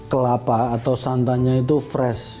kelapa atau santannya itu fresh